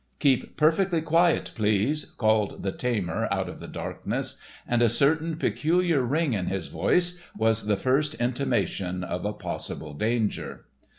"Keep perfectly quiet, please!" called the tamer out of the darkness, and a certain peculiar ring in his voice was the first intimation of a possible danger.